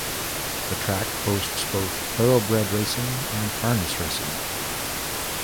The track hosts both thoroughbred racing and harness racing.